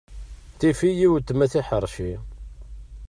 Tifɣ-iyi weltma tiḥerci.